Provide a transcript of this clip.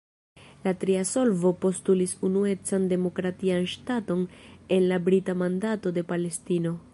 La tria solvo postulis unuecan demokratian ŝtaton en la Brita Mandato de Palestino.